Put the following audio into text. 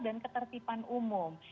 dan ketertiban umum